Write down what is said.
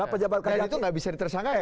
karena itu nggak bisa diteresangka ya